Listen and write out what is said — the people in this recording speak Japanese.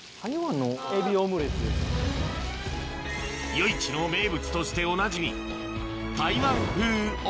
夜市の名物としておなじみ